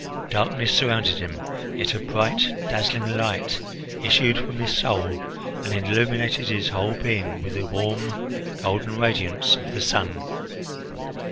Darkness surrounded him, yet a bright dazzling light issued from his soul and illuminated his whole being with the warm golden radiance of the sun.